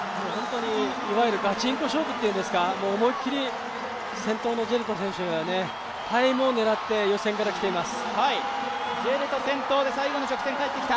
いわゆるガチンコ勝負っていうんですか、思い切り先頭のジェルト選手タイムを狙って予選からきています。